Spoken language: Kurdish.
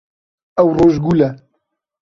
Ev rojgul e.